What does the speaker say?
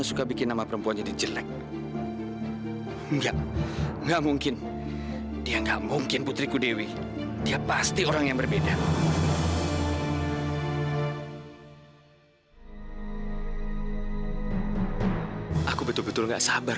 sampai jumpa di video selanjutnya